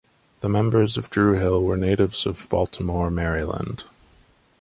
The members of Dru Hill were natives of Baltimore, Maryland.